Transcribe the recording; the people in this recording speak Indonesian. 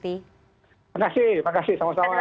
terima kasih terima kasih sama sama